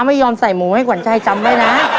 ไม่ยอมใส่หมูให้ขวัญชัยจำไว้นะ